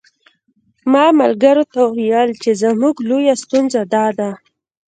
ما ملګرو ته ویل چې زموږ لویه ستونزه داده.